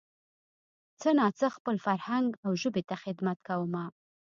څه نا څه خپل فرهنګ او ژبې ته خدمت کومه